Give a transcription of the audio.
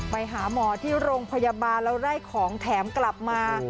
ไปหาหมอที่โรงพยาบาลแล้วได้ของแถมกลับมา